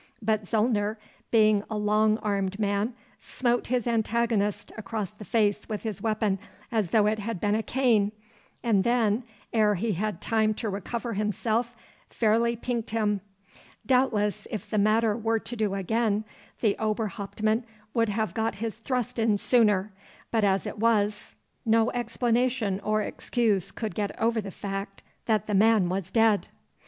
But Zollner, being a long armed man, smote his antagonist across the face with his weapon as though it had been a cane, and then, ere he had time to recover himself, fairly pinked him. Doubtless if the matter were to do again, the Oberhauptmann would have got his thrust in sooner, but as it was, no explanation or excuse could get over the fact that the man was dead.